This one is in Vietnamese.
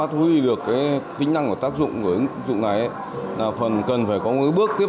tôi thấy ứng dụng này ra đời